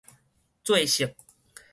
做色